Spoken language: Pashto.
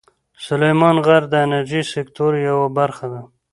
سلیمان غر د انرژۍ سکتور یوه برخه ده.